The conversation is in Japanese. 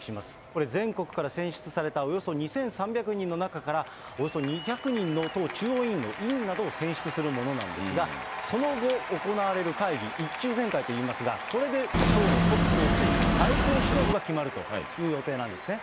これ全国から選出されたおよそ２３００人の中から、およそ２００人の党中央委員の委員などを選出するものなんですが、その後行われる会議、一中全会といいますが、これで党のトップを含む最高指導部が決まるという予定なんですね。